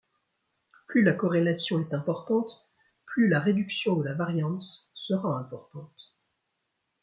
Plus la corrélation est importante, plus la réduction de la variance sera importante.